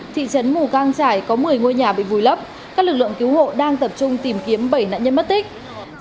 thị trấn mù căng trải có một mươi ngôi nhà bị vùi lấp các lực lượng cứu hộ đang tập trung tìm kiếm bảy nạn nhân mất tích